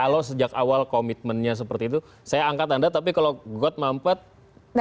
kalau sejak awal komitmennya seperti itu saya angkat anda tapi kalau got mampet